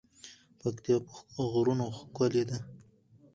پکتيا په غرونو ښکلی ده.